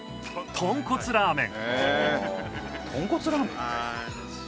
豚骨ラーメン？